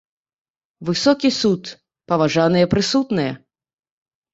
Высокі суд, паважаныя прысутныя!